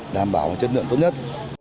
đảm bảo chất lượng tốt nhất